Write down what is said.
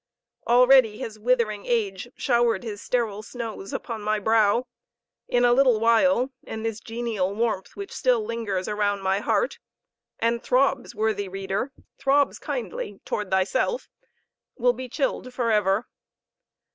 Already has withering age showered his sterile snows upon my brow; in a little while, and this genial warmth which still lingers around my heart, and throbs, worthy reader, throbs kindly toward thyself, will be chilled for ever.